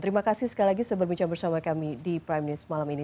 terima kasih sekali lagi sudah berbicara bersama kami di prime news malam ini